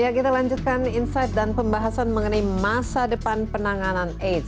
ya kita lanjutkan insight dan pembahasan mengenai masa depan penanganan aids